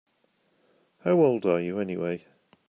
How old are you anyway?